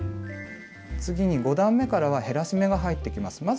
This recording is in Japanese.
次に５段めからは減らし目が入ってきます。